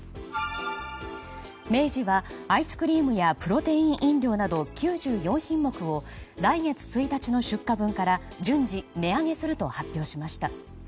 明治はアイスクリームやプロテイン飲料など９４品目を来月１日の出荷分から順次値上げすると発表しました。